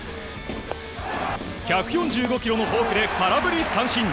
１４５キロのフォークで空振り三振。